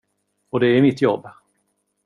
Och det är mitt jobb.